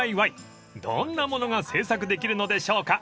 ［どんなものが制作できるのでしょうか］